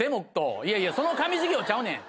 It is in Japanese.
いやいやその髪授業ちゃうねん。